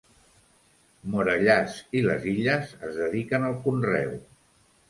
Morellàs i les Illes es dediquen al conreu.